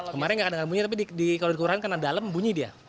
kemarin nggak ada bunyi tapi kalau dikurangkan dalam bunyi dia